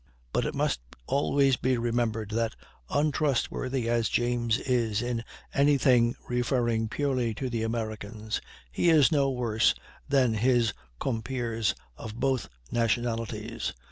But it must always be remembered that untrustworthy as James is in any thing referring purely to the Americans, he is no worse than his compeers of both nationalities.